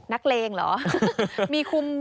นักเลงเหรอ